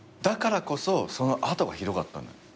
だからこそその後がひどかったのよ。